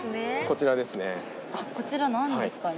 こちら何ですかね？